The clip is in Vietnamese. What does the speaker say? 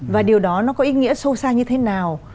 và điều đó nó có ý nghĩa sâu xa như thế nào